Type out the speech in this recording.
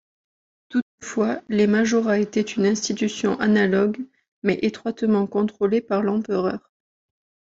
Toutefois les majorats étaient une institution analogue mais étroitement contrôlée par l'empereur.